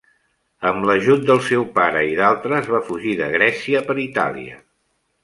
Amb l'ajut del seu pare i d'altres va fugir de Grècia per Itàlia.